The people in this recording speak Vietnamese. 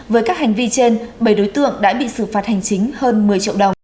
với các hành vi trên bảy đối tượng đã bị xử phạt hành chính hơn một mươi triệu đồng